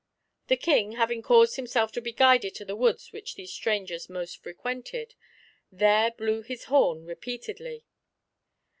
The King, having caused himself to be guided to the woods which these strangers most frequented, there blew his horn repeatedly.